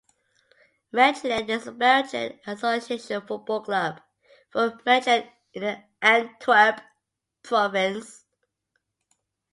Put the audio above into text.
Mechelen is a Belgian association football club from Mechelen in the Antwerp province.